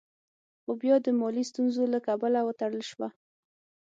خو بيا د مالي ستونزو له کبله وتړل شوه.